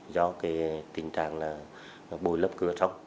do tình trạng bồi lấp cửa